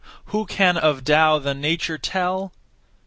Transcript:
Who can of Tao the nature tell?